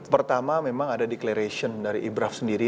pertama memang ada declaration dari ibraf sendiri